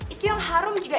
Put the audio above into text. itu yang harum juga